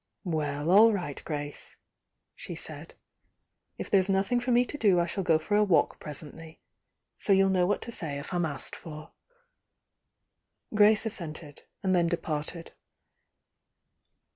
"WeU, aU right, Grace," she said. "If there's nothmg for me to do I shall go for a walk presently So you'll know what to say if I'm asked for." Grace assented, and then departed.